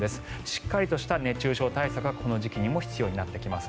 しっかりとした熱中症対策がこの時期にも必要になってきます。